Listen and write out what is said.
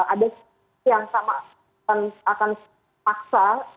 ada yang akan memaksa